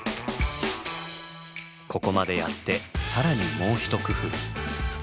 ここまでやって更にもうひと工夫。